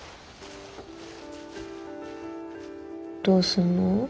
どうすんの？